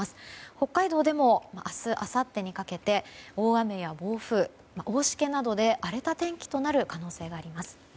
北海道でも明日あさってにかけて大雨や暴風大しけなどで荒れた天気となる可能性があります。